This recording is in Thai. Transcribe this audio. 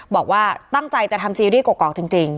บอกว่าตั้งใจจะทำซีรีส์กรอกจริง